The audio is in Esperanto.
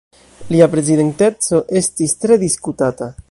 Lia prezidenteco estis tre diskutata.